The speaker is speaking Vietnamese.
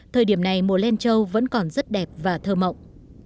thời điểm này mùa len trâu vẫn còn rất đẹp và thơ mộng